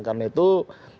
karena itu arahan